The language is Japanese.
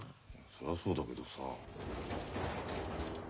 そらそうだけどさ。